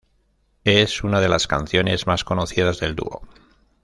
Es una de las canciones más conocidas del dúo.